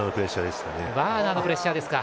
ワーナーのプレッシャーですか。